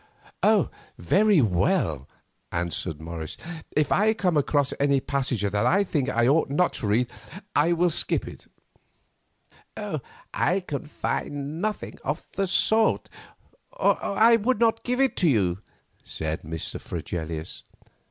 "Very well," answered Morris, "if I come across any passage that I think I ought not to read, I will skip." "I can find nothing of the sort, or I would not give it to you," said Mr. Fregelius.